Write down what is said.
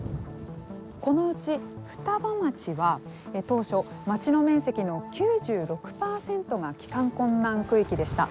このうち双葉町は当初、町の面積の９６％が帰還困難区域でした。